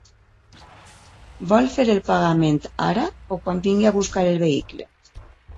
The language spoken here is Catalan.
Vol fer el pagament ara, o quan vingui a buscar el vehicle?